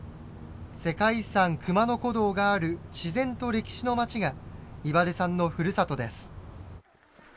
世界遺産熊野古道がある自然と歴史の町が岩出さんのふるさとです。